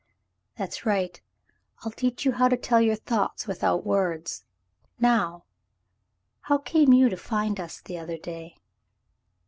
"That's right. I'll teach you how to tell your thoughts without words. Now, how came you to find us the other day?"